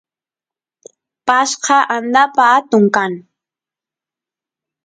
pashqa andapa atun kan